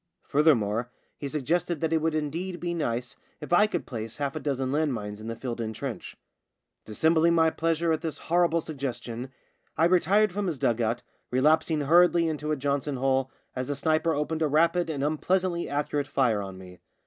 Furthermore he suggested that it would indeed be nice if I could place half a dozen land mines in the filled in trench. Dissembling my pleasure at this horrible suggestion, I retired from his dug out, re lapsing hurriedly into a Johnson hole as a sniper opened a rapid and unpleasantly accurate fire on me.